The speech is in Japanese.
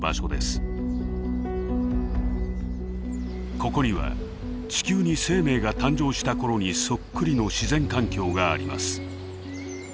ここには地球に生命が誕生した頃にそっくりの自然環境があります。